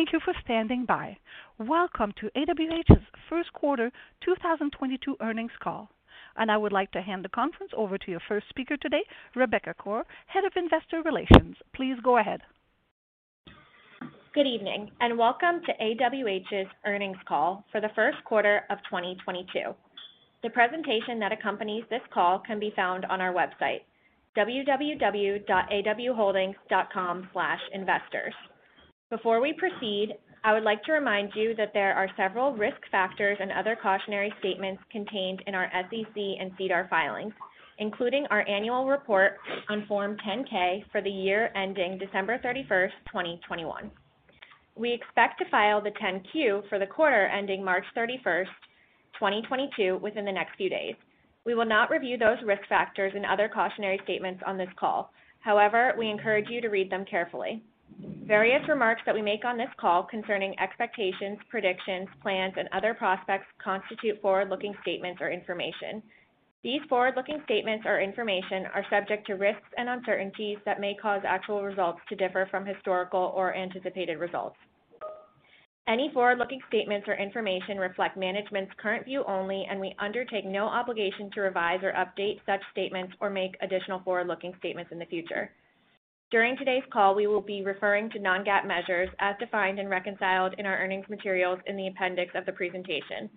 Thank you for standing by. Welcome to AWH's first quarter 2022 earnings call. I would like to hand the conference over to your first speaker today, Rebecca Koar, Head of Investor Relations. Please go ahead. Good evening and welcome to AWH's earnings call for the first quarter of 2022. The presentation that accompanies this call can be found on our website, www.awholdings.com/investors. Before we proceed, I would like to remind you that there are several risk factors and other cautionary statements contained in our SEC and SEDAR filings, including our annual report on Form 10-K for the year ending December 31st, 2021. We expect to file the 10-Q for the quarter ending March 31st, 2022 within the next few days. We will not review those risk factors and other cautionary statements on this call. However, we encourage you to read them carefully. Various remarks that we make on this call concerning expectations, predictions, plans, and other prospects constitute forward-looking statements or information. These forward-looking statements or information are subject to risks and uncertainties that may cause actual results to differ from historical or anticipated results. Any forward-looking statements or information reflect management's current view only, and we undertake no obligation to revise or update such statements or make additional forward-looking statements in the future. During today's call, we will be referring to non-GAAP measures as defined and reconciled in our earnings materials in the appendix of the presentation.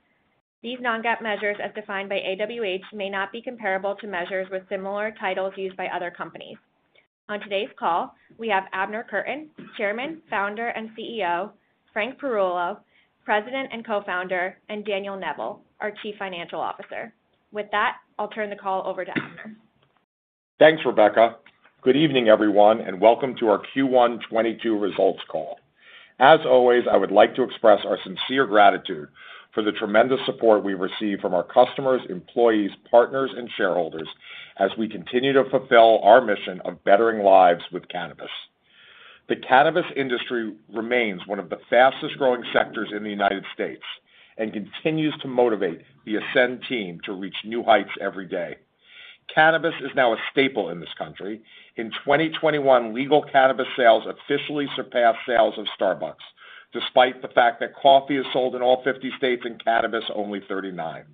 These non-GAAP measures, as defined by AWH, may not be comparable to measures with similar titles used by other companies. On today's call, we have Abner Kurtin, Chairman, Founder, and CEO; Frank Perullo, President and Co-founder; and Daniel Neville, our Chief Financial Officer. With that, I'll turn the call over to Abner. Thanks, Rebecca. Good evening, everyone, and welcome to our Q1 2022 results call. As always, I would like to express our sincere gratitude for the tremendous support we receive from our customers, employees, partners, and shareholders as we continue to fulfill our mission of bettering lives with cannabis. The cannabis industry remains one of the fastest-growing sectors in the United States and continues to motivate the Ascend team to reach new heights every day. Cannabis is now a staple in this country. In 2021, legal cannabis sales officially surpassed sales of Starbucks, despite the fact that coffee is sold in all 50 states and cannabis only 39.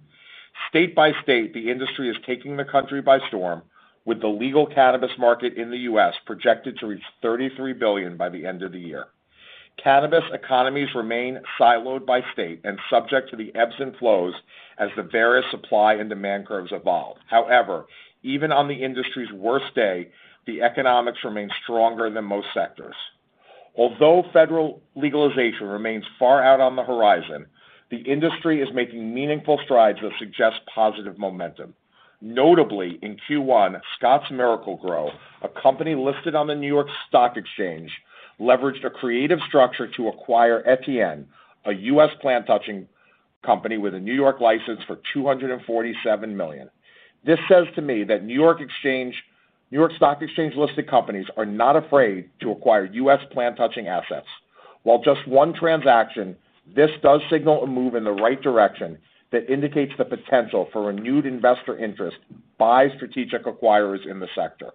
State by state, the industry is taking the country by storm, with the legal cannabis market in the U.S. projected to reach $33 billion by the end of the year. Cannabis economies remain siloed by state and subject to the ebbs and flows as the various supply and demand curves evolve. However, even on the industry's worst day, the economics remains stronger than most sectors. Although federal legalization remains far out on the horizon, the industry is making meaningful strides that suggest positive momentum. Notably, in Q1, Scotts Miracle-Gro, a company listed on the New York Stock Exchange, leveraged a creative structure to acquire Etain, a U.S. plant-touching company with a New York license for $247 million. This says to me that New York Stock Exchange-listed companies are not afraid to acquire U.S. plant-touching assets. While just one transaction, this does signal a move in the right direction that indicates the potential for renewed investor interest by strategic acquirers in the sector.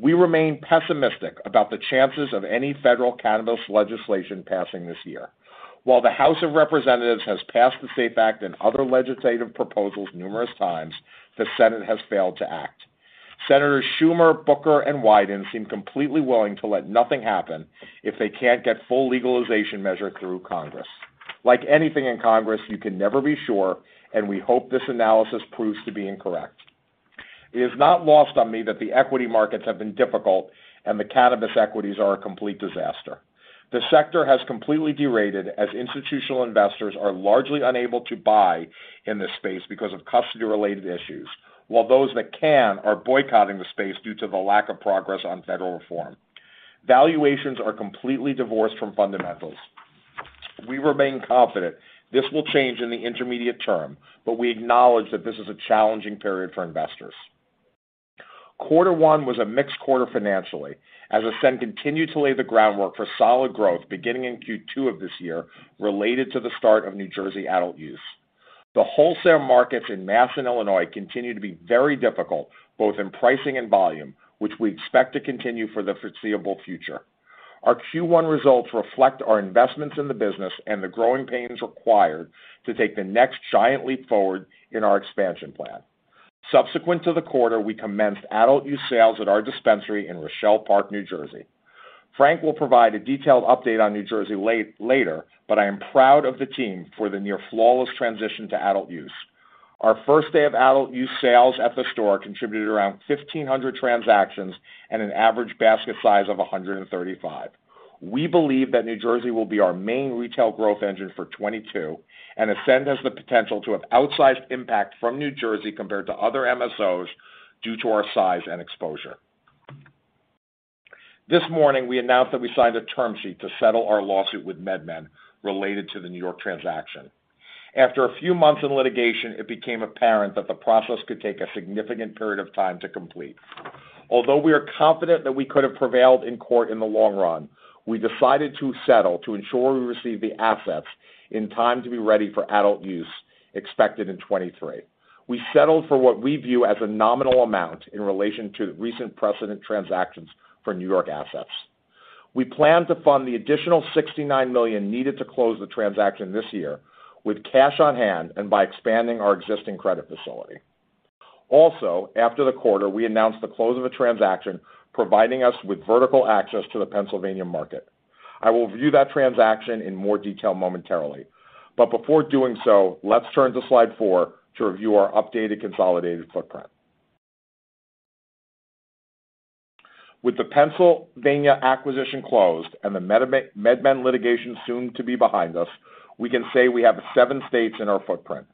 We remain pessimistic about the chances of any federal cannabis legislation passing this year. While the House of Representatives has passed the SAFE Banking Act and other legislative proposals numerous times, the Senate has failed to act. Senators Schumer, Booker, and Wyden seem completely willing to let nothing happen if they can't get full legalization measure through Congress. Like anything in Congress, you can never be sure, and we hope this analysis proves to be incorrect. It is not lost on me that the equity markets have been difficult and the cannabis equities are a complete disaster. The sector has completely derated as institutional investors are largely unable to buy in this space because of custody-related issues, while those that can are boycotting the space due to the lack of progress on federal reform. Valuations are completely divorced from fundamentals. We remain confident this will change in the intermediate term, but we acknowledge that this is a challenging period for investors. Quarter one was a mixed quarter financially as Ascend continued to lay the groundwork for solid growth beginning in Q2 of this year related to the start of New Jersey adult use. The wholesale markets in Mass and Illinois continue to be very difficult, both in pricing and volume, which we expect to continue for the foreseeable future. Our Q1 results reflect our investments in the business and the growing pains required to take the next giant leap forward in our expansion plan. Subsequent to the quarter, we commenced adult use sales at our dispensary in Rochelle Park, New Jersey. Frank will provide a detailed update on New Jersey later, but I am proud of the team for the near flawless transition to adult use. Our first day of adult use sales at the store contributed around 1,500 transactions and an average basket size of 135. We believe that New Jersey will be our main retail growth engine for 2022, and Ascend has the potential to have outsized impact from New Jersey compared to other MSOs due to our size and exposure. This morning, we announced that we signed a term sheet to settle our lawsuit with MedMen related to the New York transaction. After a few months in litigation, it became apparent that the process could take a significant period of time to complete. Although we are confident that we could have prevailed in court in the long run, we decided to settle to ensure we receive the assets in time to be ready for adult use expected in 2023. We settled for what we view as a nominal amount in relation to recent precedent transactions for New York assets. We plan to fund the additional $69 million needed to close the transaction this year with cash on hand and by expanding our existing credit facility. Also, after the quarter, we announced the close of a transaction providing us with vertical access to the Pennsylvania market. I will review that transaction in more detail momentarily. Before doing so, let's turn to slide 4 to review our updated consolidated footprint. With the Pennsylvania acquisition closed and the MedMen litigation soon to be behind us, we can say we have seven states in our footprint.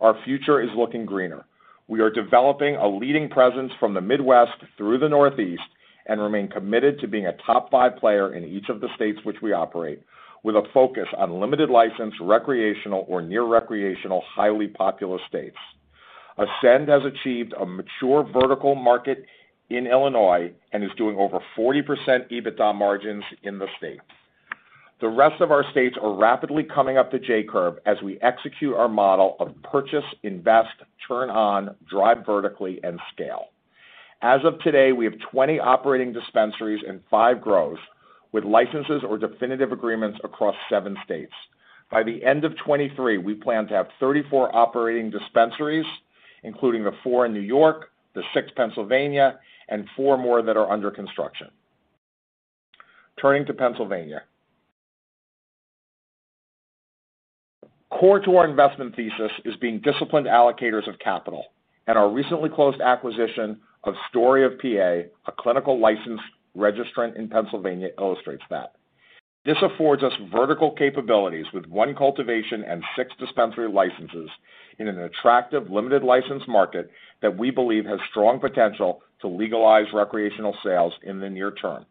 Our future is looking greener. We are developing a leading presence from the Midwest through the Northeast and remain committed to being a top five player in each of the states which we operate, with a focus on limited license, recreational or near recreational, highly populous states. Ascend has achieved a mature vertical market in Illinois and is doing over 40% EBITDA margins in the state. The rest of our states are rapidly coming up the J-curve as we execute our model of purchase, invest, turn on, drive vertically and scale. As of today, we have 20 operating dispensaries and five grows, with licenses or definitive agreements across seven states. By the end of 2023, we plan to have 34 operating dispensaries, including the four in New York, the six Pennsylvania and four more that are under construction. Turning to Pennsylvania. Core to our investment thesis is being disciplined allocators of capital and our recently closed acquisition of Story of PA, a clinical registrant in Pennsylvania, illustrates that. This affords us vertical capabilities with one cultivation and six dispensary licenses in an attractive limited license market that we believe has strong potential to legalize recreational sales in the near term.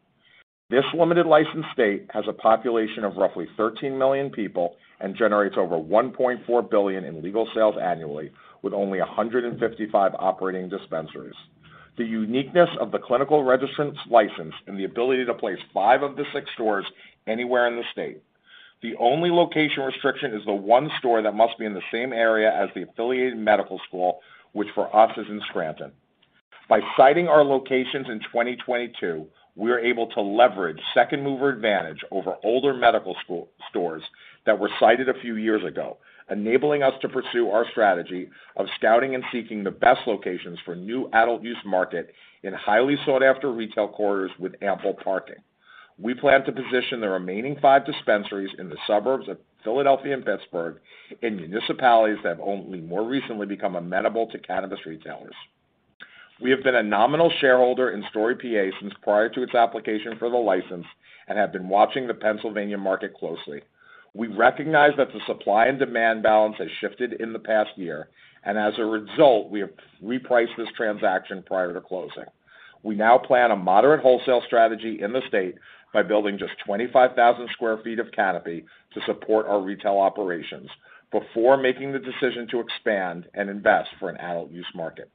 This limited license state has a population of roughly 13 million people and generates over $1.4 billion in legal sales annually with only 155 operating dispensaries. The uniqueness of the clinical registrant's license and the ability to place five of the six stores anywhere in the state. The only location restriction is the one store that must be in the same area as the affiliated medical school, which for us is in Scranton. By siting our locations in 2022, we are able to leverage second-mover advantage over older medical stores that were sited a few years ago, enabling us to pursue our strategy of scouting and seeking the best locations for new adult-use market in highly sought-after retail corridors with ample parking. We plan to position the remaining five dispensaries in the suburbs of Philadelphia and Pittsburgh, in municipalities that have only more recently become amenable to cannabis retailers. We have been a nominal shareholder in Story of PA since prior to its application for the license and have been watching the Pennsylvania market closely. We recognize that the supply and demand balance has shifted in the past year, and as a result, we have repriced this transaction prior to closing. We now plan a moderate wholesale strategy in the state by building just 25,000 sq ft of canopy to support our retail operations before making the decision to expand and invest for an adult use market.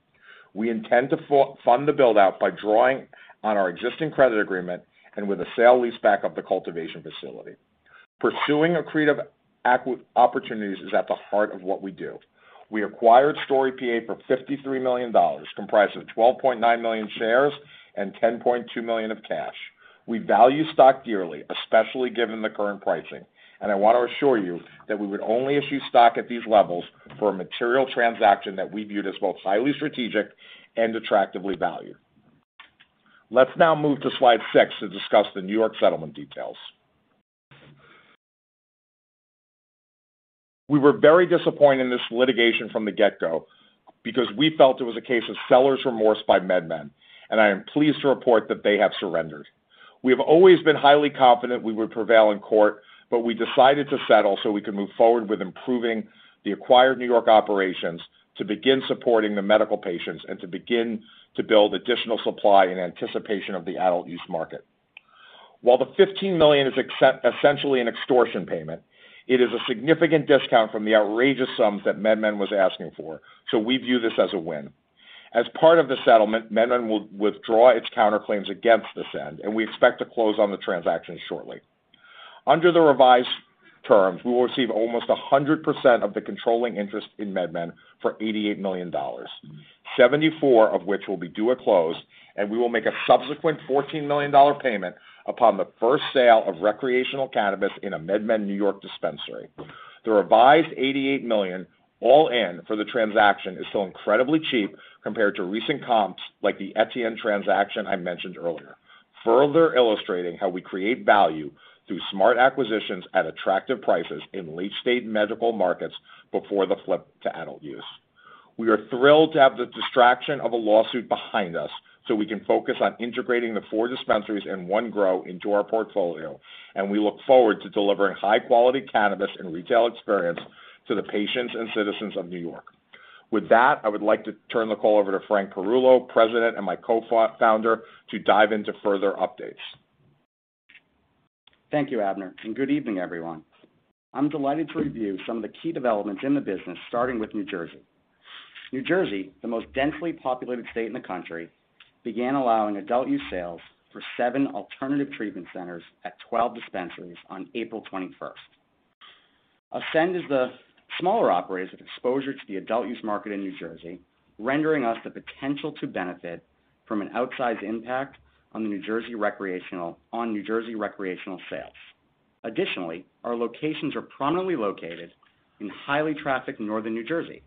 We intend to fund the build out by drawing on our existing credit agreement and with a sale leaseback of the cultivation facility. Pursuing accretive opportunities is at the heart of what we do. We acquired Story of PA for $53 million, comprised of 12.9 million shares and $10.2 million of cash. We value stock dearly, especially given the current pricing, and I want to assure you that we would only issue stock at these levels for a material transaction that we viewed as both highly strategic and attractively valued. Let's now move to slide six to discuss the New York settlement details. We were very disappointed in this litigation from the get-go because we felt it was a case of seller's remorse by MedMen, and I am pleased to report that they have surrendered. We have always been highly confident we would prevail in court, but we decided to settle so we could move forward with improving the acquired New York operations to begin supporting the medical patients and to begin to build additional supply in anticipation of the adult use market. While the $15 million is essentially an extortion payment, it is a significant discount from the outrageous sums that MedMen was asking for, so we view this as a win. As part of the settlement, MedMen will withdraw its counterclaims against Ascend, and we expect to close on the transaction shortly. Under the revised terms, we will receive almost 100% of the controlling interest in MedMen for $88 million, 74 of which will be due at close, and we will make a subsequent $14 million payment upon the first sale of recreational cannabis in a MedMen New York dispensary. The revised $88 million all in for the transaction is still incredibly cheap compared to recent comps like the Etain transaction I mentioned earlier, further illustrating how we create value through smart acquisitions at attractive prices in late-stage medical markets before the flip to adult use. We are thrilled to have the distraction of a lawsuit behind us so we can focus on integrating the four dispensaries and one grow into our portfolio, and we look forward to delivering high-quality cannabis and retail experience to the patients and citizens of New York. With that, I would like to turn the call over to Frank Perullo, President and my co-founder, to dive into further updates. Thank you, Abner, and good evening, everyone. I'm delighted to review some of the key developments in the business, starting with New Jersey. New Jersey, the most densely populated state in the country, began allowing adult-use sales for seven alternative treatment centers at 12 dispensaries on April twenty-first. Ascend is one of the smaller operators with exposure to the adult-use market in New Jersey, rendering us the potential to benefit from an outsized impact on New Jersey recreational sales. Additionally, our locations are prominently located in highly trafficked northern New Jersey.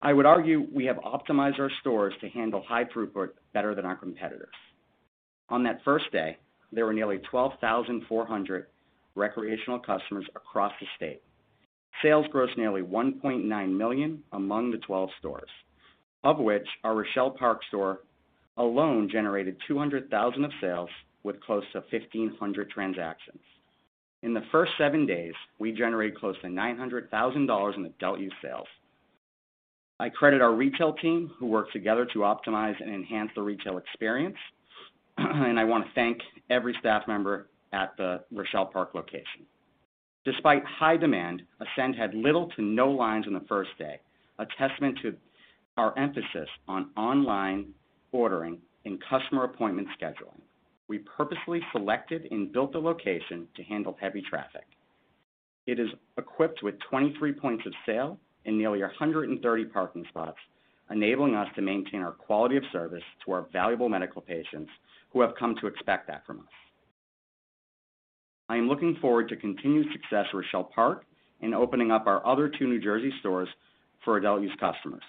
I would argue we have optimized our stores to handle high throughput better than our competitors. On that first day, there were nearly 12,400 recreational customers across the state. Sales grossed nearly $1.9 million among the 12 stores, of which our Rochelle Park store alone generated $200,000 of sales with close to 1,500 transactions. In the first seven days, we generated close to $900,000 in adult use sales. I credit our retail team, who worked together to optimize and enhance the retail experience, and I want to thank every staff member at the Rochelle Park location. Despite high demand, Ascend had little to no lines on the first day, a testament to our emphasis on online ordering and customer appointment scheduling. We purposely selected and built a location to handle heavy traffic. It is equipped with 23 points of sale and nearly 130 parking spots, enabling us to maintain our quality of service to our valuable medical patients who have come to expect that from us. I am looking forward to continued success at Rochelle Park and opening up our other two New Jersey stores for adult use customers.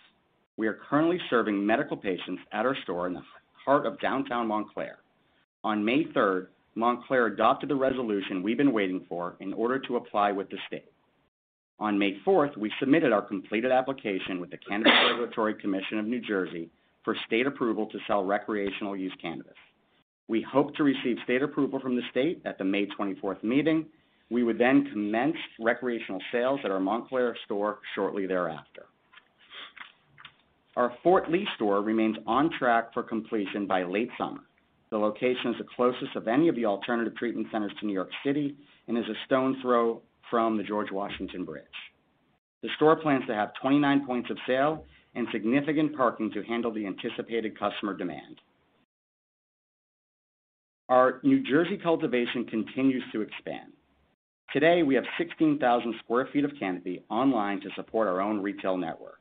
We are currently serving medical patients at our store in the heart of downtown Montclair. On May 3rd, Montclair adopted the resolution we've been waiting for in order to apply with the state. On May 4th, we submitted our completed application with the Cannabis Regulatory Commission of New Jersey for state approval to sell recreational use cannabis. We hope to receive state approval from the state at the May 24th meeting. We would then commence recreational sales at our Montclair store shortly thereafter. Our Fort Lee store remains on track for completion by late summer. The location is the closest of any of the alternative treatment centers to New York City and is a stone's throw from the George Washington Bridge. The store plans to have 29 points of sale and significant parking to handle the anticipated customer demand. Our New Jersey cultivation continues to expand. Today, we have 16,000 sq ft of canopy online to support our own retail network.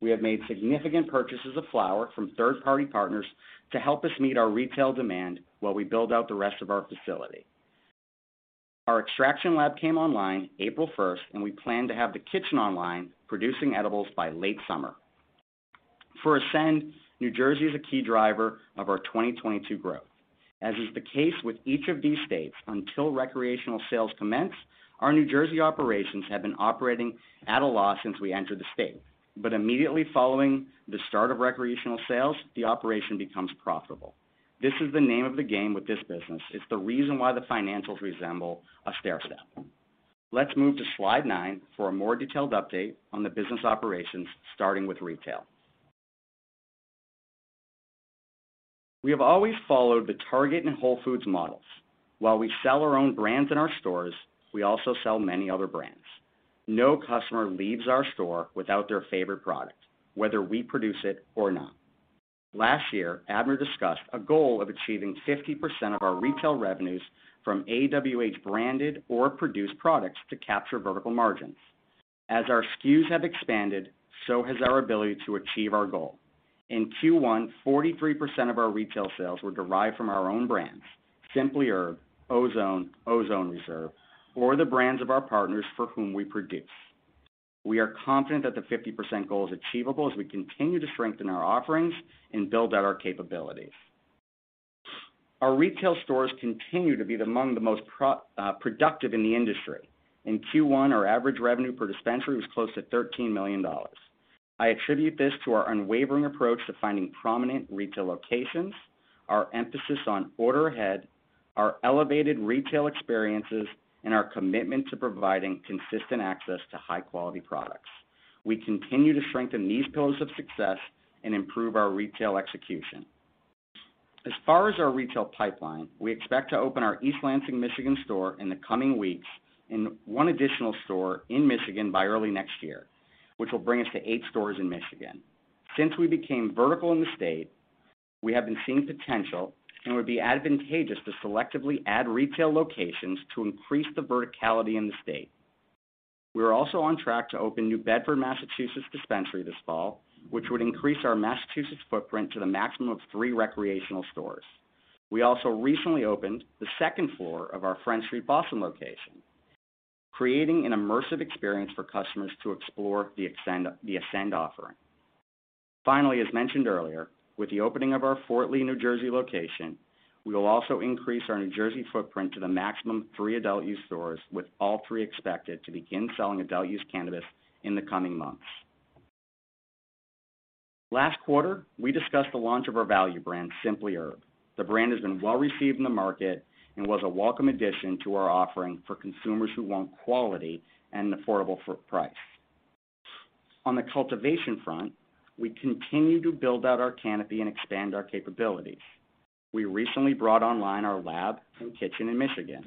We have made significant purchases of flower from third-party partners to help us meet our retail demand while we build out the rest of our facility. Our extraction lab came online April 1st, and we plan to have the kitchen online producing edibles by late summer. For Ascend, New Jersey is a key driver of our 2022 growth. As is the case with each of these states, until recreational sales commence, our New Jersey operations have been operating at a loss since we entered the state. Immediately following the start of recreational sales, the operation becomes profitable. This is the name of the game with this business. It's the reason why the financials resemble a stairstep. Let's move to slide 9 for a more detailed update on the business operations, starting with retail. We have always followed the Target and Whole Foods models. While we sell our own brands in our stores, we also sell many other brands. No customer leaves our store without their favorite product, whether we produce it or not. Last year, Abner discussed a goal of achieving 50% of our retail revenues from AWH-branded or produced products to capture vertical margins. As our SKUs have expanded, so has our ability to achieve our goal. In Q1, 43% of our retail sales were derived from our own brands, Simply Herb, Ozone Reserve, or the brands of our partners for whom we produce. We are confident that the 50% goal is achievable as we continue to strengthen our offerings and build out our capabilities. Our retail stores continue to be among the most productive in the industry. In Q1, our average revenue per dispensary was close to $13 million. I attribute this to our unwavering approach to finding prominent retail locations, our emphasis on order ahead, our elevated retail experiences, and our commitment to providing consistent access to high-quality products. We continue to strengthen these pillars of success and improve our retail execution. As far as our retail pipeline, we expect to open our East Lansing, Michigan store in the coming weeks and one additional store in Michigan by early next year, which will bring us to eight stores in Michigan. Since we became vertical in the state, we have been seeing potential and would be advantageous to selectively add retail locations to increase the verticality in the state. We are also on track to open New Bedford, Massachusetts dispensary this fall, which would increase our Massachusetts footprint to the maximum of three recreational stores. We also recently opened the second floor of our Friend Street Boston location, creating an immersive experience for customers to explore the Ascend offering. Finally, as mentioned earlier, with the opening of our Fort Lee, New Jersey location, we will also increase our New Jersey footprint to the maximum of three adult use stores, with all three expected to begin selling adult use cannabis in the coming months. Last quarter, we discussed the launch of our value brand, Simply Herb. The brand has been well-received in the market and was a welcome addition to our offering for consumers who want quality and an affordable price. On the cultivation front, we continue to build out our canopy and expand our capabilities. We recently brought online our lab and kitchen in Michigan.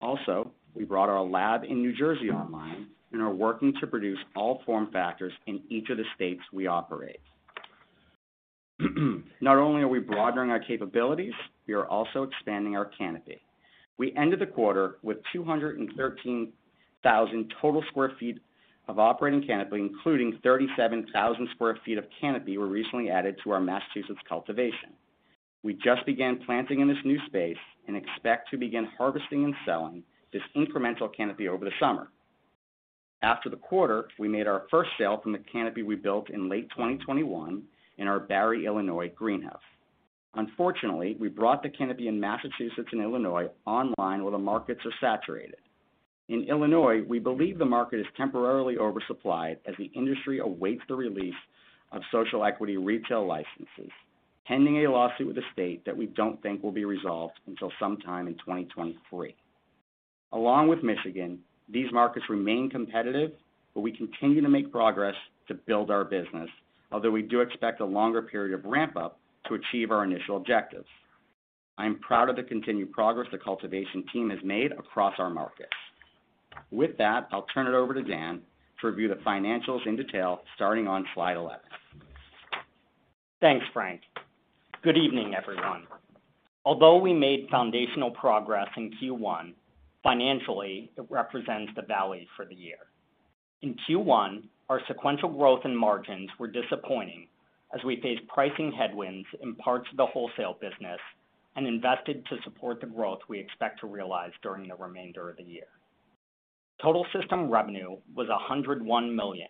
Also, we brought our lab in New Jersey online and are working to produce all form factors in each of the states we operate. Not only are we broadening our capabilities, we are also expanding our canopy. We ended the quarter with 213,000 total sq ft of operating canopy, including 37,000 sq ft of canopy were recently added to our Massachusetts cultivation. We just began planting in this new space and expect to begin harvesting and selling this incremental canopy over the summer. After the quarter, we made our first sale from the canopy we built in late 2021 in our Barry, Illinois greenhouse. Unfortunately, we brought the canopy in Massachusetts and Illinois online, where the markets are saturated. In Illinois, we believe the market is temporarily oversupplied as the industry awaits the release of social equity retail licenses, pending a lawsuit with the state that we don't think will be resolved until sometime in 2023. Along with Michigan, these markets remain competitive, but we continue to make progress to build our business. Although we do expect a longer period of ramp up to achieve our initial objectives. I am proud of the continued progress the cultivation team has made across our markets. With that, I'll turn it over to Dan to review the financials in detail, starting on slide 11. Thanks, Frank. Good evening, everyone. Although we made foundational progress in Q1, financially it represents the valley for the year. In Q1, our sequential growth in margins were disappointing as we faced pricing headwinds in parts of the wholesale business and invested to support the growth we expect to realize during the remainder of the year. Total system revenue was $101 million,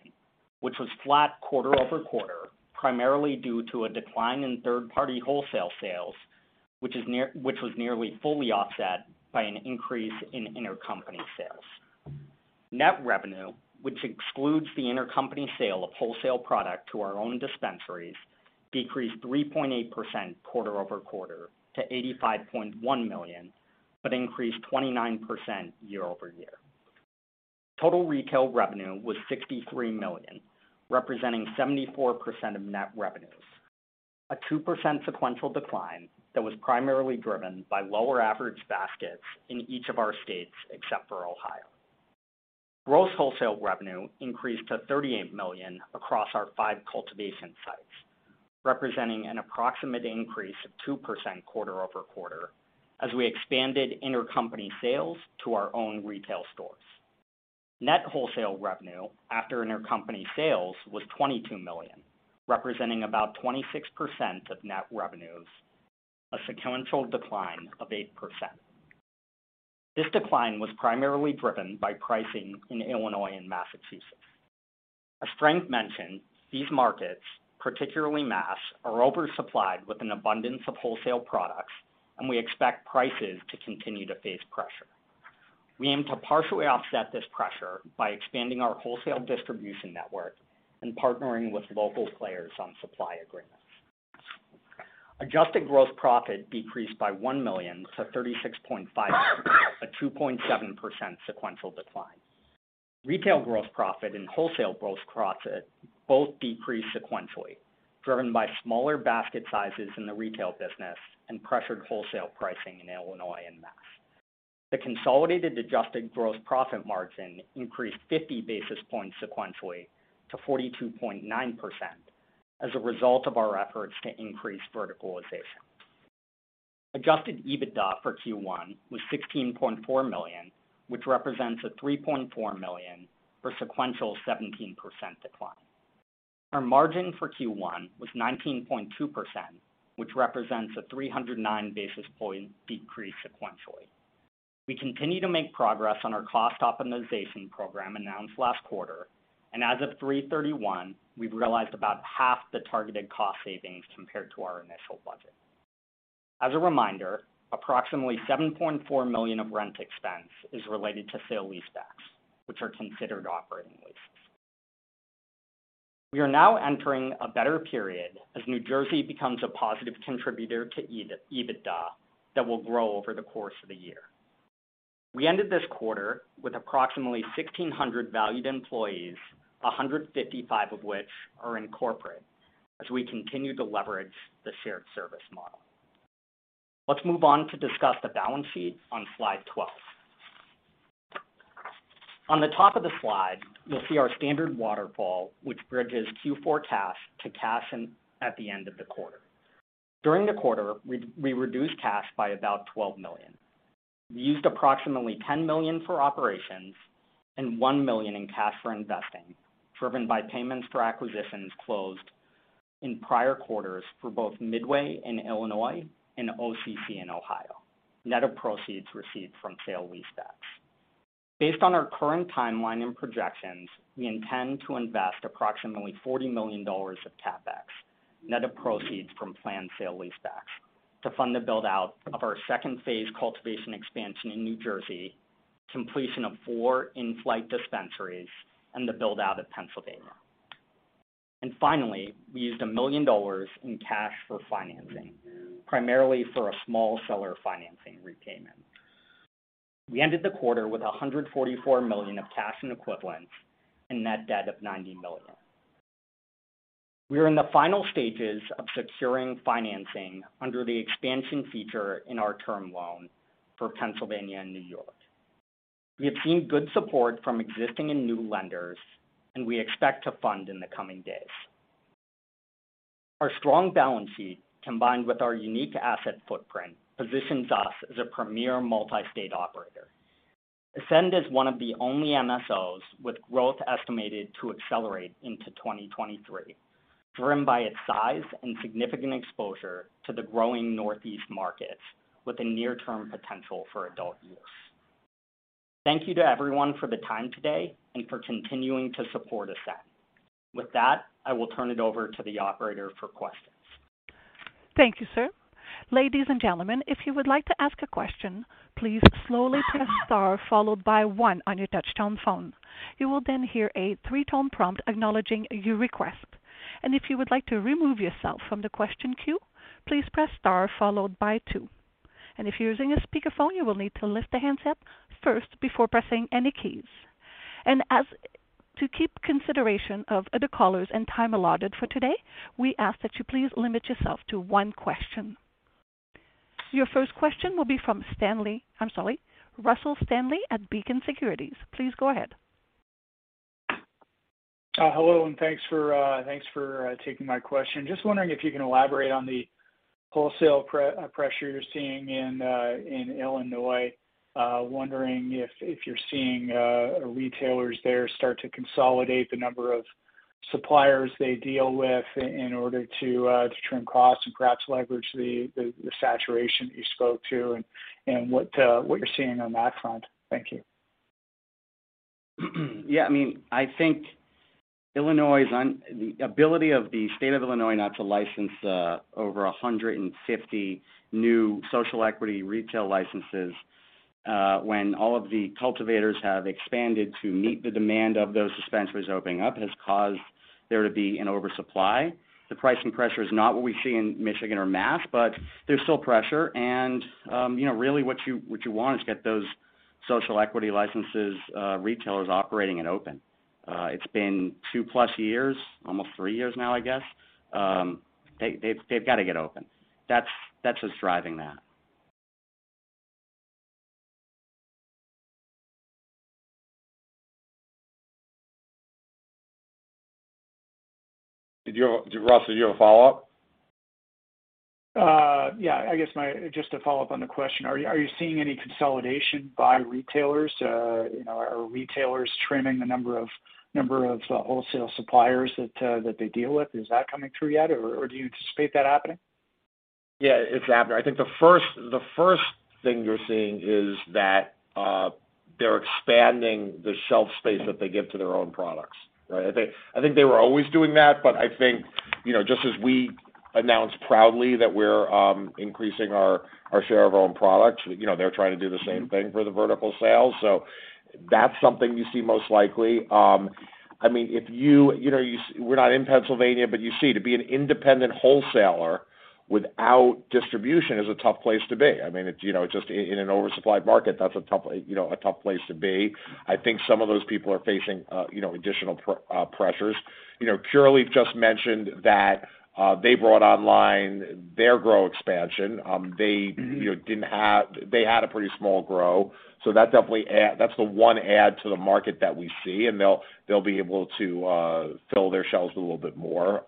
which was flat quarter-over-quarter, primarily due to a decline in third-party wholesale sales, which was nearly fully offset by an increase in intercompany sales. Net revenue, which excludes the intercompany sale of wholesale product to our own dispensaries, decreased 3.8% quarter-over-quarter to $85.1 million, but increased 29% year-over-year. Total retail revenue was $63 million, representing 74% of net revenues, a 2% sequential decline that was primarily driven by lower average baskets in each of our states except for Ohio. Gross wholesale revenue increased to $38 million across our five cultivation sites, representing an approximate increase of 2% quarter-over-quarter as we expanded intercompany sales to our own retail stores. Net wholesale revenue after intercompany sales was $22 million, representing about 26% of net revenues, a sequential decline of 8%. This decline was primarily driven by pricing in Illinois and Massachusetts. As Frank mentioned, these markets, particularly Mass, are oversupplied with an abundance of wholesale products, and we expect prices to continue to face pressure. We aim to partially offset this pressure by expanding our wholesale distribution network and partnering with local players on supply agreements. Adjusted gross profit decreased by $1 million to $36.5 million, a 2.7% sequential decline. Retail gross profit and wholesale gross profit both decreased sequentially, driven by smaller basket sizes in the retail business and pressured wholesale pricing in Illinois and Mass. The consolidated adjusted gross profit margin increased 50 basis points sequentially to 42.9% as a result of our efforts to increase verticalization. Adjusted EBITDA for Q1 was $16.4 million, which represents a $3.4 million, or sequential 17% decline. Our margin for Q1 was 19.2%, which represents a 309 basis point decrease sequentially. We continue to make progress on our cost optimization program announced last quarter, and as of 3/31, we've realized about half the targeted cost savings compared to our initial budget. As a reminder, approximately $7.4 million of rent expense is related to sale leasebacks, which are considered operating leases. We are now entering a better period as New Jersey becomes a positive contributor to EBITDA that will grow over the course of the year. We ended this quarter with approximately 1,600 valued employees, 155 of which are in corporate as we continue to leverage the shared service model. Let's move on to discuss the balance sheet on slide 12. On the top of the slide, you'll see our standard waterfall, which bridges Q4 cash to cash at the end of the quarter. During the quarter, we reduced cash by about $12 million. We used approximately $10 million for operations and $1 million in cash for investing, driven by payments for acquisitions closed in prior quarters for both Midway in Illinois and OCC in Ohio. Net of proceeds received from sale leasebacks. Based on our current timeline and projections, we intend to invest approximately $40 million of CapEx, net of proceeds from planned sale leasebacks to fund the build-out of our second phase cultivation expansion in New Jersey, completion of four in-flight dispensaries and the build-out of Pennsylvania. Finally, we used $1 million in cash for financing, primarily for a small seller financing repayment. We ended the quarter with $144 million of cash and equivalents and net debt of $90 million. We are in the final stages of securing financing under the expansion feature in our term loan for Pennsylvania and New York. We have seen good support from existing and new lenders, and we expect to fund in the coming days. Our strong balance sheet, combined with our unique asset footprint, positions us as a premier multi-state operator. Ascend is one of the only MSOs with growth estimated to accelerate into 2023, driven by its size and significant exposure to the growing Northeast markets, with a near-term potential for adult use. Thank you to everyone for the time today and for continuing to support Ascend. With that, I will turn it over to the operator for questions. Thank you, sir. Ladies and gentlemen, if you would like to ask a question, please slowly press star followed by one on your touch-tone phone. You will then hear a three-tone prompt acknowledging your request. If you would like to remove yourself from the question queue, please press star followed by two. If you're using a speakerphone, you will need to lift the handset first before pressing any keys. To keep consideration of other callers and time allotted for today, we ask that you please limit yourself to one question. Your first question will be from Russell Stanley at Beacon Securities. Please go ahead. Hello, and thanks for taking my question. Just wondering if you can elaborate on the wholesale price pressure you're seeing in Illinois. Wondering if you're seeing retailers there start to consolidate the number of suppliers they deal with in order to trim costs and perhaps leverage the saturation you spoke to and what you're seeing on that front. Thank you. Yeah, I mean, I think the inability of the State of Illinois not to license over 150 new social equity retail licenses, when all of the cultivators have expanded to meet the demand of those dispensaries opening up, has caused there to be an oversupply. The pricing pressure is not what we see in Michigan or Mass, but there's still pressure and, you know, really what you want is to get those social equity licenses retailers operating and open. It's been 2+ years, almost 3 years now, I guess. They've got to get open. That's what's driving that. Russ, did you have a follow-up? Yeah, I guess just to follow up on the question, are you seeing any consolidation by retailers? You know, are retailers trimming the number of wholesale suppliers that they deal with? Is that coming through yet, or do you anticipate that happening? Yeah, it's happening. I think the first thing you're seeing is that they're expanding the shelf space that they give to their own products, right? I think they were always doing that, but I think, you know, just as we announced proudly that we're increasing our share of our own products, you know, they're trying to do the same thing for the vertical sales. So that's something you see most likely. I mean, you know, you see, we're not in Pennsylvania, but to be an independent wholesaler without distribution is a tough place to be. I mean, it's, you know, just in an oversupplied market, that's a tough place to be. I think some of those people are facing, you know, additional pressures. You know, Curaleaf just mentioned that they brought online their grow expansion. Mm-hmm. You know, they had a pretty small grow. That's the one add to the market that we see, and they'll be able to fill their shelves a little bit more.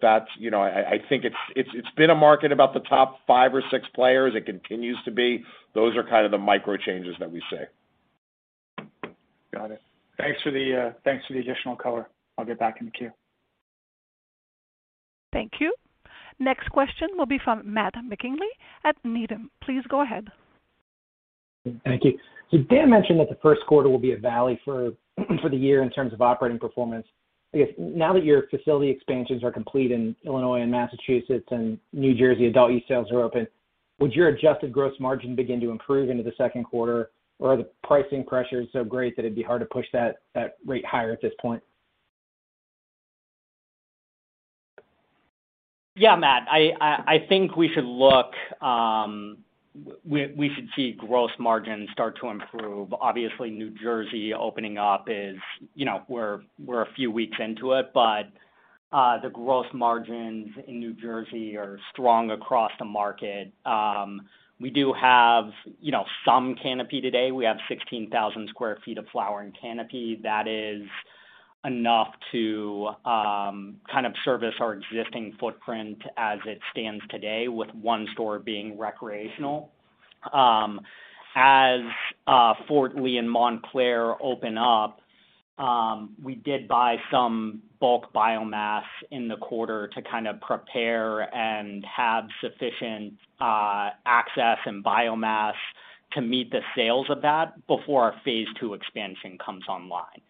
That's, you know, I think it's been a market about the top five or six players. It continues to be. Those are kind of the micro changes that we see. Got it. Thanks for the additional color. I'll get back in the queue. Thank you. Next question will be from Matt McGinley at Needham. Please go ahead. Thank you. Dan mentioned that the first quarter will be a valley for the year in terms of operating performance. I guess now that your facility expansions are complete in Illinois and Massachusetts and New Jersey adult use sales are open, would your adjusted gross margin begin to improve into the second quarter, or are the pricing pressures so great that it'd be hard to push that rate higher at this point? Yeah, Matt, I think we should see gross margins start to improve. Obviously, New Jersey opening up is, you know, we're a few weeks into it, but the gross margins in New Jersey are strong across the market. We do have, you know, some canopy today. We have 16,000 sq ft of flowering canopy. That is enough to kind of service our existing footprint as it stands today with one store being recreational. As Fort Lee and Montclair open up, we did buy some bulk biomass in the quarter to kind of prepare and have sufficient access and biomass to meet the sales of that before our phase two expansion comes online.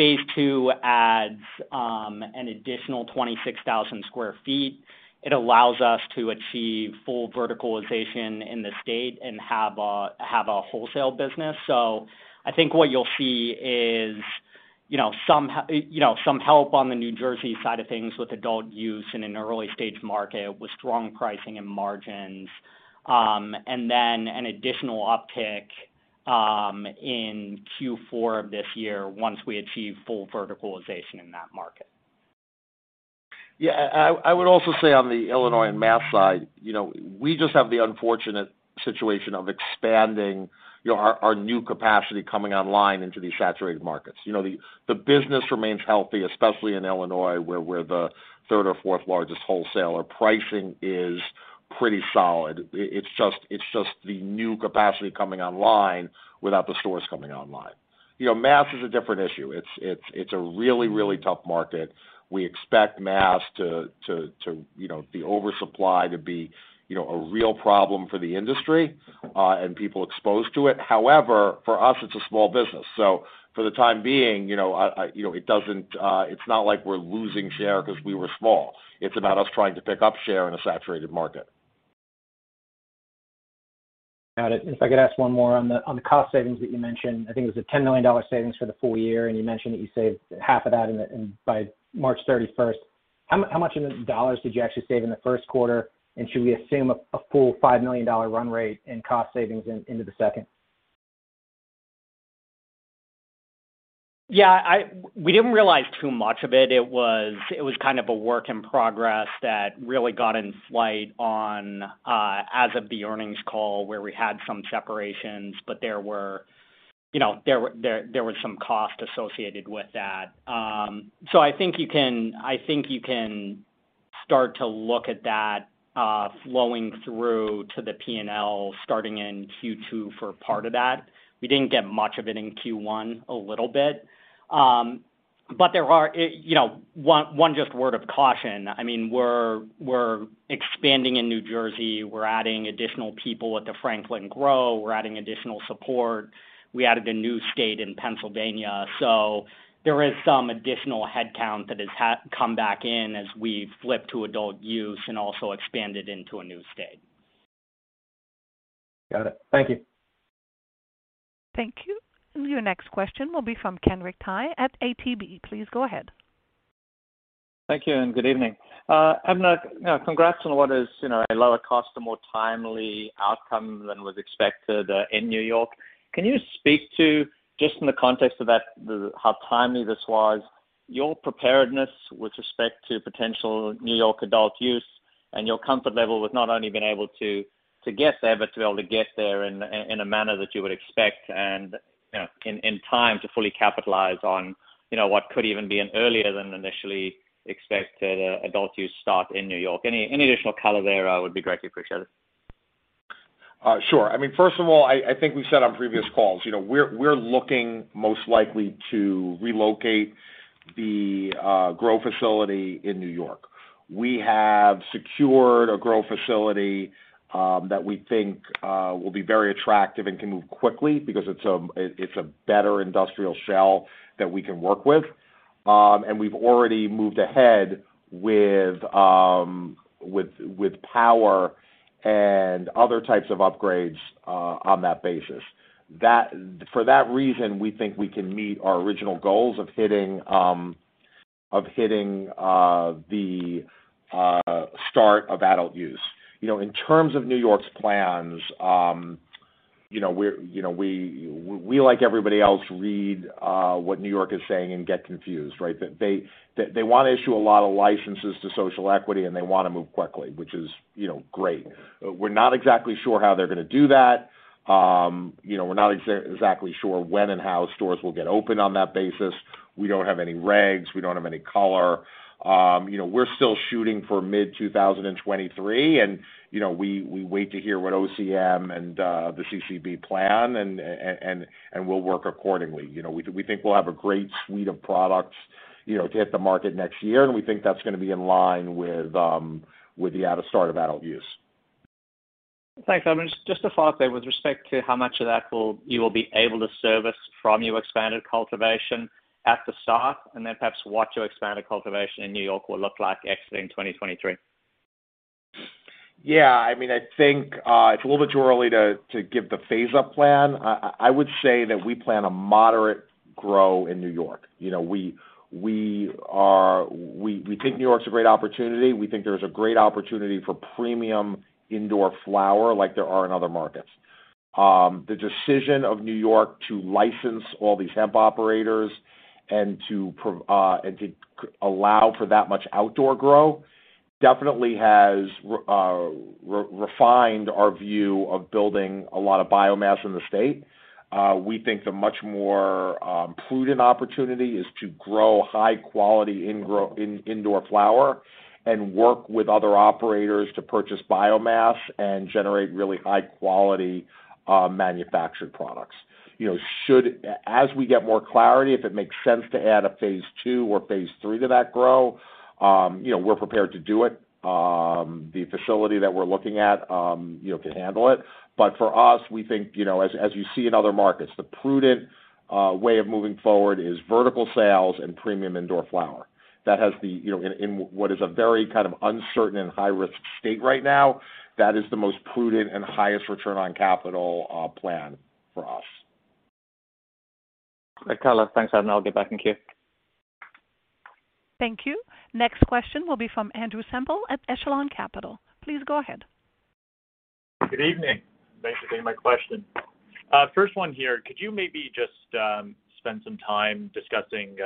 Phase two adds an additional 26,000 sq ft. It allows us to achieve full verticalization in the state and have a wholesale business. I think what you'll see is, you know, some help on the New Jersey side of things with adult use in an early-stage market with strong pricing and margins, and then an additional uptick in Q4 of this year once we achieve full verticalization in that market. Yeah, I would also say on the Illinois and Mass side, you know, we just have the unfortunate situation of expanding our new capacity coming online into these saturated markets. You know, the business remains healthy, especially in Illinois, where we're the third or fourth largest wholesaler. Pricing is pretty solid. It's just the new capacity coming online without the stores coming online. You know, Mass is a different issue. It's a really tough market. We expect Mass to you know, the oversupply to be you know, a real problem for the industry and people exposed to it. However, for us, it's a small business. So for the time being, you know, it doesn't, it's not like we're losing share because we were small. It's about us trying to pick up share in a saturated market. Got it. If I could ask one more on the cost savings that you mentioned, I think it was a $10 million savings for the full year, and you mentioned that you saved half of that by March 31st. How much in dollars did you actually save in the first quarter? And should we assume a full $5 million run rate in cost savings into the second? Yeah, we didn't realize too much of it. It was kind of a work in progress that really got in flight on as of the earnings call, where we had some separations, but there were, you know, there was some cost associated with that. So I think you can start to look at that flowing through to the P&L starting in Q2 for part of that. We didn't get much of it in Q1. A little bit. But there are, you know, one just word of caution. I mean, we're expanding in New Jersey. We're adding additional people at the Franklin Grow. We're adding additional support. We added a new state in Pennsylvania. There is some additional headcount that has come back in as we flip to adult use and also expanded into a new state. Got it. Thank you. Thank you. Your next question will be from Kenric Tyghe at ATB. Please go ahead. Thank you, and good evening. Abner, congrats on what is, you know, a lower cost, a more timely outcome than was expected in New York. Can you speak to, just in the context of that, how timely this was, your preparedness with respect to potential New York adult use and your comfort level with not only being able to get there, but to be able to get there in a manner that you would expect and, you know, in time to fully capitalize on, you know, what could even be an earlier than initially expected adult use start in New York? Any additional color there would be greatly appreciated. Sure. I mean, first of all, I think we've said on previous calls, you know, we're looking most likely to relocate the grow facility in New York. We have secured a grow facility that we think will be very attractive and can move quickly because it's a better industrial shell that we can work with. We've already moved ahead with power and other types of upgrades on that basis. For that reason, we think we can meet our original goals of hitting the start of adult use. You know, in terms of New York's plans, you know, we, like everybody else, read what New York is saying and get confused, right? That they want to issue a lot of licenses to social equity, and they want to move quickly, which is, you know, great. We're not exactly sure how they're going to do that. You know, we're not exactly sure when and how stores will get open on that basis. We don't have any regs. We don't have any color. You know, we're still shooting for mid-2023, and you know, we wait to hear what OCM and the CCB plan, and we'll work accordingly. You know, we think we'll have a great suite of products, you know, to hit the market next year, and we think that's going to be in line with the start of adult use. Thanks. I mean, just to follow up there with respect to how much of that you will be able to service from your expanded cultivation at the start, and then perhaps what your expanded cultivation in New York will look like exiting 2023. Yeah, I mean, I think, it's a little bit too early to give the phase-up plan. I would say that we plan a moderate grow in New York. You know, we think New York is a great opportunity. We think there's a great opportunity for premium indoor flower like there are in other markets. The decision of New York to license all these hemp operators and to allow for that much outdoor grow definitely has refined our view of building a lot of biomass in the state. We think the much more prudent opportunity is to grow high quality indoor flower and work with other operators to purchase biomass and generate really high quality manufactured products. You know, should As we get more clarity, if it makes sense to add a phase II or phase III to that grow, you know, we're prepared to do it. The facility that we're looking at, you know, can handle it. But for us, we think, you know, as you see in other markets, the prudent way of moving forward is vertical sales and premium indoor flower. That has the, you know, in what is a very kind of uncertain and high-risk state right now, that is the most prudent and highest return on capital plan for us. Hi, Carlos. Thanks, Abner. I'll get back in queue. Thank you. Next question will be from Andrew Semple at Echelon Capital. Please go ahead. Good evening. Thanks for taking my question. First one here. Could you maybe just spend some time discussing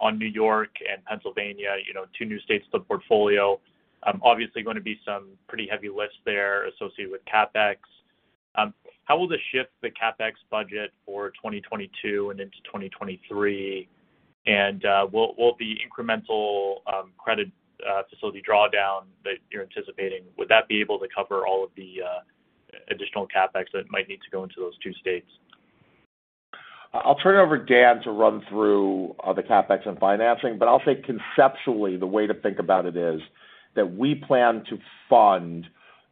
on New York and Pennsylvania, you know, two new states to the portfolio? Obviously gonna be some pretty heavy lifts there associated with CapEx. How will this shift the CapEx budget for 2022 and into 2023? And will the incremental credit facility drawdown that you're anticipating, would that be able to cover all of the additional CapEx that might need to go into those two states? I'll turn it over to Dan to run through the CapEx and financing, but I'll say conceptually, the way to think about it is that we plan to fund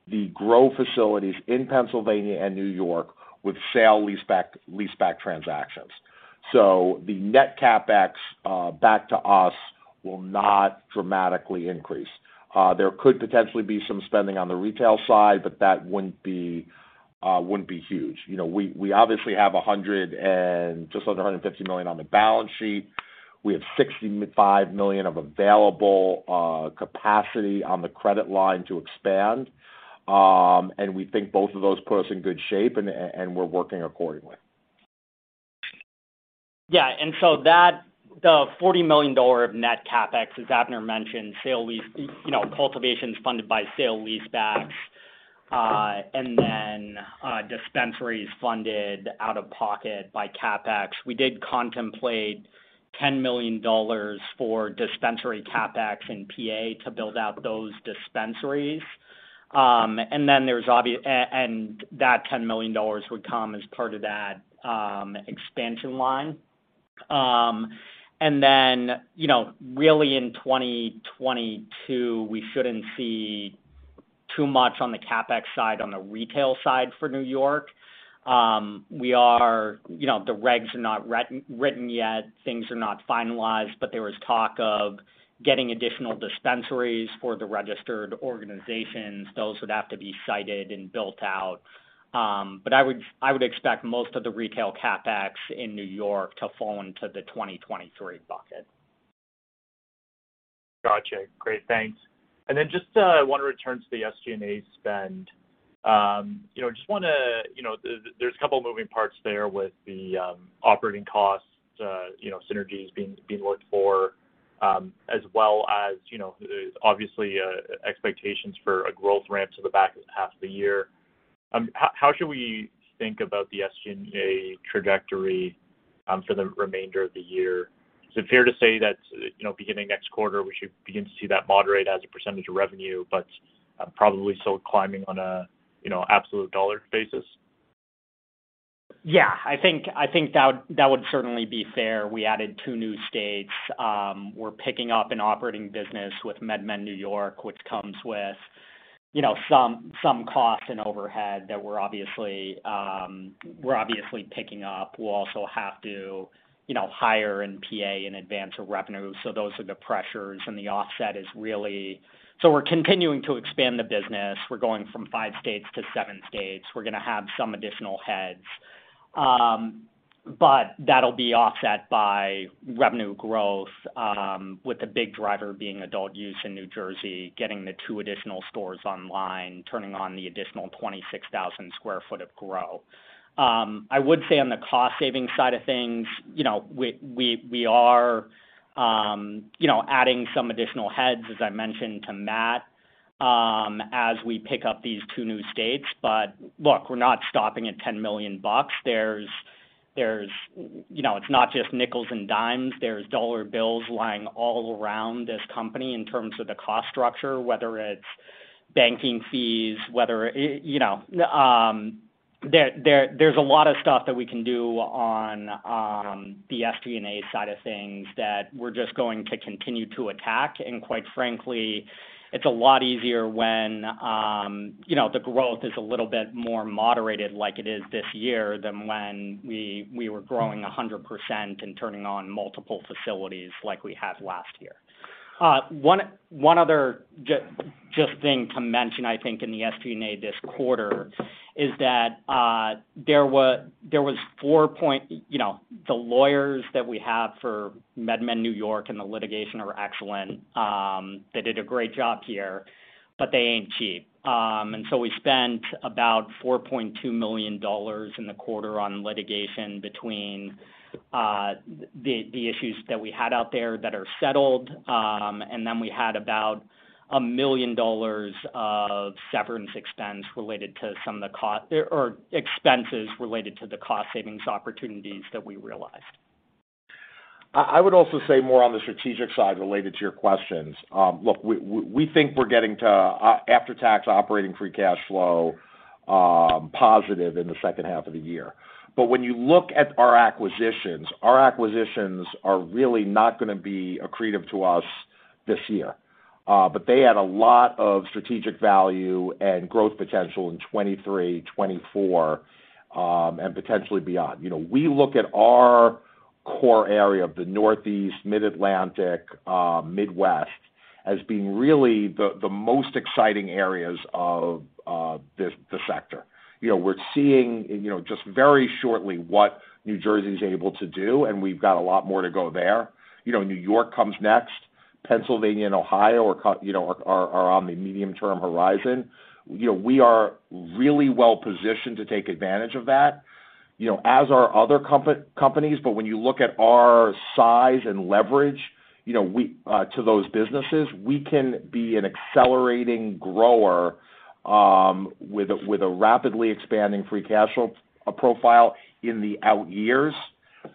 the grow facilities in Pennsylvania and New York with sale lease back, lease back transactions. The net CapEx back to us will not dramatically increase. There could potentially be some spending on the retail side, but that wouldn't be huge. You know, we obviously have $100 and just under $150 million on the balance sheet. We have $65 million of available capacity on the credit line to expand. We think both of those put us in good shape and we're working accordingly. Yeah. The $40 million of net CapEx, as Abner mentioned, sale lease cultivation is funded by sale leasebacks, and then dispensaries funded out-of-pocket by CapEx. We did contemplate $10 million for dispensary CapEx in PA to build out those dispensaries. That $10 million would come as part of that expansion line. Really in 2022, we shouldn't see too much on the CapEx side, on the retail side for New York. The regs are not written yet. Things are not finalized, but there was talk of getting additional dispensaries for the registered organizations. Those would have to be sited and built out. I would expect most of the retail CapEx in New York to fall into the 2023 bucket. Got you. Great. Thanks. Just wanna return to the SG&A spend. You know, just wanna. There's a couple moving parts there with the operating costs, you know, synergies being looked for, as well as, you know, obviously, expectations for a growth ramp to the back half of the year. How should we think about the SG&A trajectory for the remainder of the year? Is it fair to say that, you know, beginning next quarter, we should begin to see that moderate as a percentage of revenue, but, probably still climbing on a, you know, absolute dollar basis? Yeah. I think that would certainly be fair. We added two new states. We're picking up an operating business with MedMen New York, which comes with some costs and overhead that we're obviously picking up. We'll also have to hire in PA in advance of revenue. Those are the pressures, and the offset is really. We're continuing to expand the business. We're going from five states to seven states. We're gonna have some additional heads. That'll be offset by revenue growth, with the big driver being adult use in New Jersey, getting the two additional stores online, turning on the additional 26,000 sq ft of grow. I would say on the cost-saving side of things, you know, we are, you know, adding some additional heads, as I mentioned to Matt, as we pick up these two new states. But look, we're not stopping at $10 million. There's, you know, it's not just nickels and dimes. There's dollar bills lying all around this company in terms of the cost structure, whether it's banking fees, you know. There's a lot of stuff that we can do on the SG&A side of things that we're just going to continue to attack. Quite frankly, it's a lot easier when, you know, the growth is a little bit more moderated like it is this year than when we were growing 100% and turning on multiple facilities like we have last year. One other just thing to mention, I think, in the SG&A this quarter is that, you know, the lawyers that we have for MedMen New York and the litigation are excellent. They did a great job here, but they ain't cheap. We spent about $4.2 million in the quarter on litigation between the issues that we had out there that are settled. We had about $1 million of severance expense related to some of the cost or expenses related to the cost savings opportunities that we realized. I would also say more on the strategic side related to your questions. Look, we think we're getting to after-tax operating free cash flow positive in the second half of the year. When you look at our acquisitions, they are really not gonna be accretive to us this year. They add a lot of strategic value and growth potential in 2023, 2024, and potentially beyond. You know, we look at our core area of the Northeast, Mid-Atlantic, Midwest as being really the most exciting areas of the sector. You know, we're seeing just very shortly what New Jersey is able to do, and we've got a lot more to go there. You know, New York comes next. Pennsylvania and Ohio are on the medium-term horizon. You know, we are really well-positioned to take advantage of that, you know, as are other companies, but when you look at our size and leverage, you know, we add to those businesses, we can be an accelerating grower, with a rapidly expanding free cash flow profile in the out years.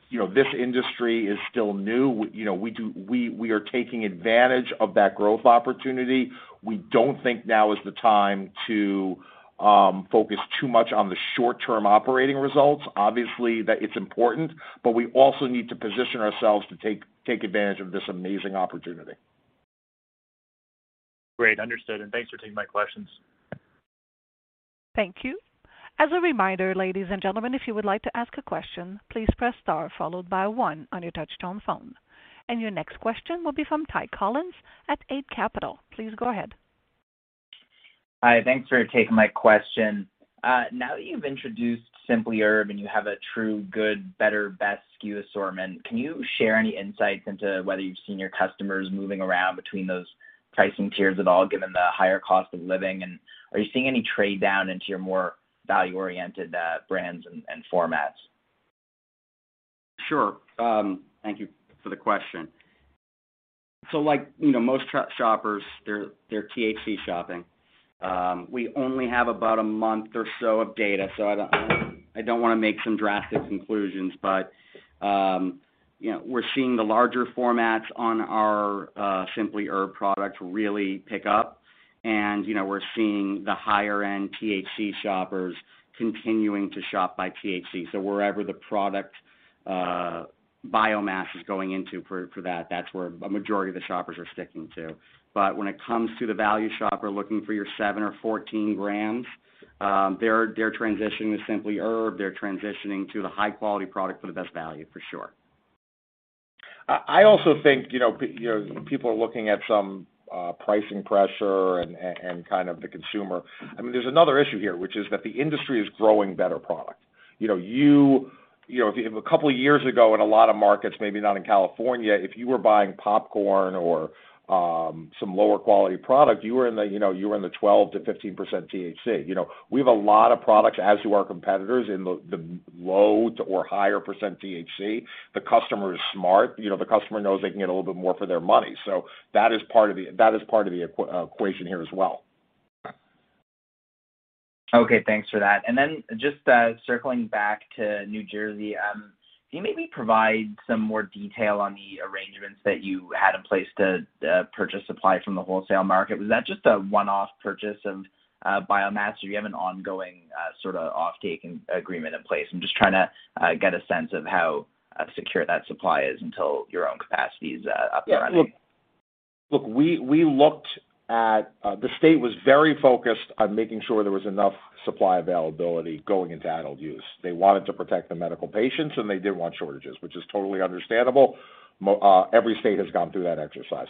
You know, this industry is still new. We, you know, we are taking advantage of that growth opportunity. We don't think now is the time to focus too much on the short-term operating results. Obviously, that it's important, but we also need to position ourselves to take advantage of this amazing opportunity. Great. Understood, and thanks for taking my questions. Thank you. As a reminder, ladies and gentlemen, if you would like to ask a question, please press star followed by one on your touchtone phone. Your next question will be from Ty Collin at Eight Capital. Please go ahead. Hi. Thanks for taking my question. Now that you've introduced Simply Herb and you have a true good, better, best SKU assortment, can you share any insights into whether you've seen your customers moving around between those pricing tiers at all, given the higher cost of living? Are you seeing any trade-down into your more value-oriented, brands and formats? Sure. Thank you for the question. Like, you know, most traditional shoppers, they're THC shopping. We only have about a month or so of data, so I don't wanna make some drastic conclusions. You know, we're seeing the larger formats on our Simply Herb products really pick up. You know, we're seeing the higher-end THC shoppers continuing to shop by THC. Wherever the product biomass is going into for that's where a majority of the shoppers are sticking to. When it comes to the value shopper looking for your 7 or 14 grams, they're transitioning to Simply Herb, they're transitioning to the high-quality product for the best value, for sure. I also think, you know, people are looking at some pricing pressure and kind of the consumer. I mean, there's another issue here, which is that the industry is growing better product. You know, if a couple of years ago in a lot of markets, maybe not in California, if you were buying popcorn or some lower quality product, you were in the 12%-15% THC. You know, we have a lot of products, as do our competitors in the low to higher percentage THC. The customer is smart. You know, the customer knows they can get a little bit more for their money. That is part of the equation here as well. Okay, thanks for that. Just circling back to New Jersey, can you maybe provide some more detail on the arrangements that you had in place to purchase supply from the wholesale market? Was that just a one-off purchase of biomass, or do you have an ongoing sort of offtake agreement in place? I'm just trying to get a sense of how secure that supply is until your own capacity is up and running. Look, we looked at the state was very focused on making sure there was enough supply availability going into adult use. They wanted to protect the medical patients, and they didn't want shortages, which is totally understandable. Every state has gone through that exercise.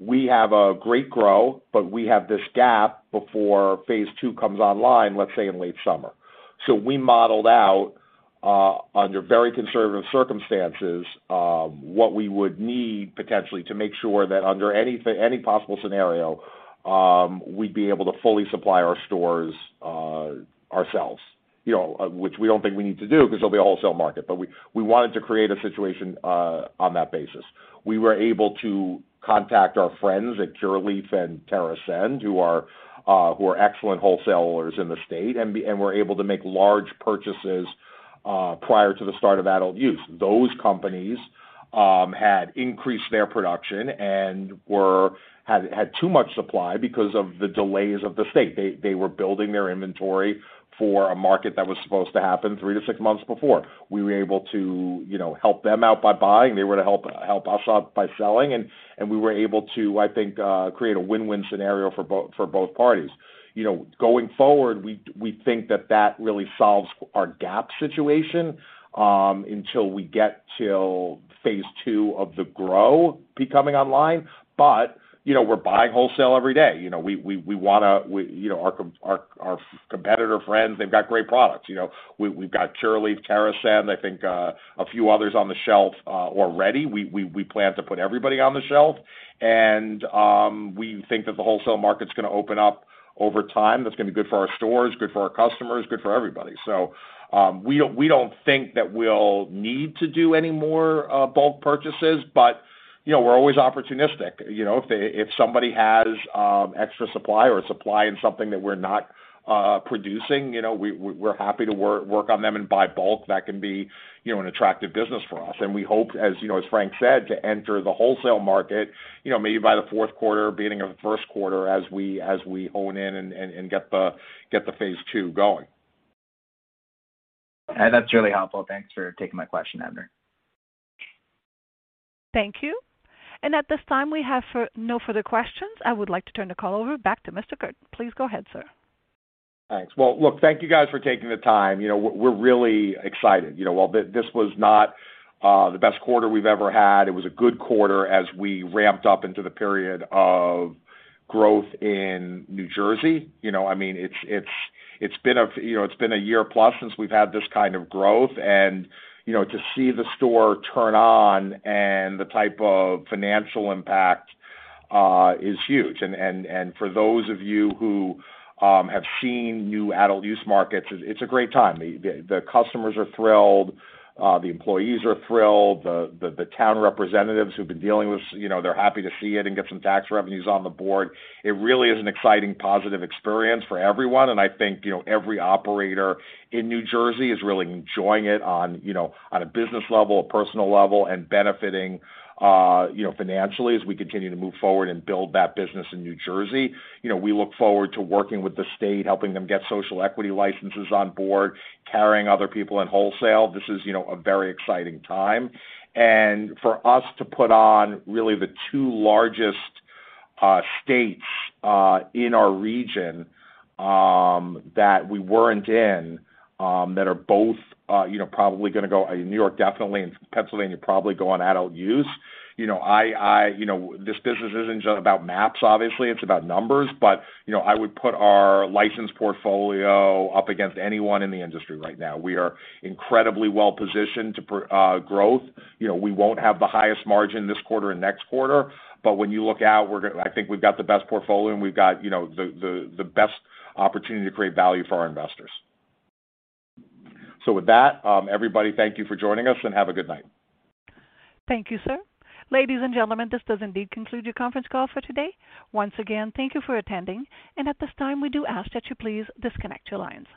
We have a great grow, but we have this gap before phase two comes online, let's say in late summer. We modeled out under very conservative circumstances what we would need potentially to make sure that under any possible scenario we'd be able to fully supply our stores ourselves, you know, which we don't think we need to do because there'll be a wholesale market. But we wanted to create a situation on that basis. We were able to contact our friends at Curaleaf and TerrAscend, who are excellent wholesalers in the state and were able to make large purchases prior to the start of adult use. Those companies had increased their production and had too much supply because of the delays of the state. They were building their inventory for a market that was supposed to happen three to six months before. We were able to, you know, help them out by buying, they were to help us out by selling, and we were able to, I think, create a win-win scenario for both parties. You know, going forward, we think that really solves our gap situation until we get to phase two of the grow becoming online. You know, we're buying wholesale every day. You know, we wanna, you know, our competitor friends, they've got great products. You know, we've got Curaleaf, TerrAscend, I think, a few others on the shelf already. We plan to put everybody on the shelf. We think that the wholesale market's gonna open up over time. That's gonna be good for our stores, good for our customers, good for everybody. We don't think that we'll need to do any more bulk purchases, but you know, we're always opportunistic. You know, if somebody has extra supply or supply in something that we're not producing, you know, we're happy to work on them and buy bulk. That can be, you know, an attractive business for us. We hope, as you know, as Frank said, to enter the wholesale market, you know, maybe by the fourth quarter, beginning of first quarter as we hone in and get the phase two going. That's really helpful. Thanks for taking my question, Abner. Thank you. At this time, we have no further questions. I would like to turn the call over back to Abner Kurtin. Please go ahead, sir. Thanks. Well, look, thank you guys for taking the time. You know, we're really excited. You know, while this was not the best quarter we've ever had, it was a good quarter as we ramped up into the period of growth in New Jersey. You know, I mean, it's been a year plus since we've had this kind of growth. You know, to see the store turn on and the type of financial impact is huge. For those of you who have seen new adult use markets, it's a great time. The customers are thrilled, the employees are thrilled, the town representatives who've been dealing with this, you know, they're happy to see it and get some tax revenues on the board. It really is an exciting positive experience for everyone, and I think, you know, every operator in New Jersey is really enjoying it on, you know, on a business level, a personal level, and benefiting, you know, financially as we continue to move forward and build that business in New Jersey. You know, we look forward to working with the state, helping them get social equity licenses on board, carrying other people in wholesale. This is, you know, a very exciting time. For us to put on really the two largest states in our region that we weren't in that are both, you know, probably gonna go. New York definitely and Pennsylvania probably go on adult use. You know, this business isn't just about maps, obviously, it's about numbers. You know, I would put our license portfolio up against anyone in the industry right now. We are incredibly well positioned for growth. You know, we won't have the highest margin this quarter and next quarter, but when you look out, I think we've got the best portfolio, and we've got, you know, the best opportunity to create value for our investors. With that, everybody, thank you for joining us, and have a good night. Thank you, sir. Ladies and gentlemen, this does indeed conclude your conference call for today. Once again, thank you for attending. At this time, we do ask that you please disconnect your lines.